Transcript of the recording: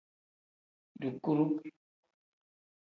Dukuru.